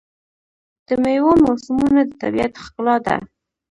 د میوو موسمونه د طبیعت ښکلا ده.